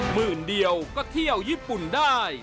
หมื่นเดียวก็เที่ยวญี่ปุ่นได้